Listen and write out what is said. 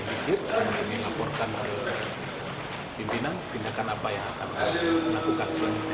kami ingin melaporkan kepada pimpinan pindahkan apa yang akan dilakukan selanjutnya